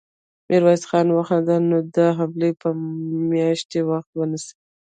ميرويس خان وخندل: نو دا حملې به مياشتې وخت ونيسي.